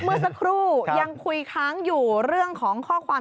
เมื่อสักครู่ยังคุยค้างอยู่เรื่องของข้อความ